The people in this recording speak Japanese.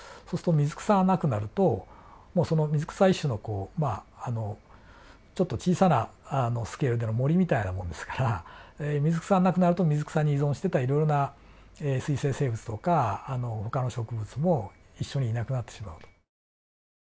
そうすると水草がなくなるともう水草は一種のこうまああのちょっと小さなスケールでの森みたいなもんですから水草がなくなると水草に依存してたいろいろな水生生物とかほかの植物も一緒にいなくなってしまうと。